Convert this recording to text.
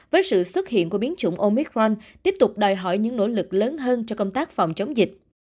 với sự xuất hiện của biến chủng omicron tiếp tục đòi hỏi những nỗ lực lớn hơn cho công tác phòng chống dịch